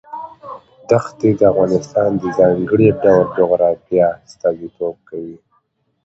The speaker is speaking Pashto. دښتې د افغانستان د ځانګړي ډول جغرافیه استازیتوب کوي.